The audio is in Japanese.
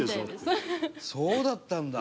あっそうだったんだ！